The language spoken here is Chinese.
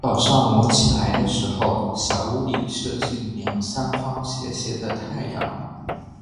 早上我起来的时候，小屋里射进两三方斜斜的太阳。